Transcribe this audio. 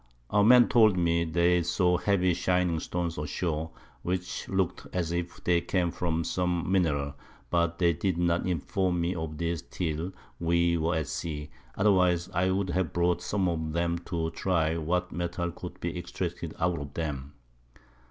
Our Men told me they saw heavy shining Stones ashore, which look'd as if they came from some Mineral, but they did not inform me of this till we were at Sea, otherwise I would have brought some of 'em to have try'd what Mettal could be extracted out of 'em.